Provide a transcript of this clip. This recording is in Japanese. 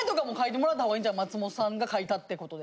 松本さんが書いたって事で。